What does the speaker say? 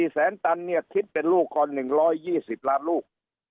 แสนตันเนี่ยคิดเป็นลูกก่อน๑๒๐ล้านลูก